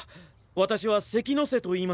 私は関ノ瀬といいます。